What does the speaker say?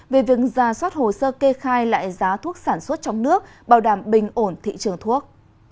về việc ra soát hồ sơ kê khai lại giá thuốc sản xuất trong nước bảo đảm bình ổn thị trường thuốc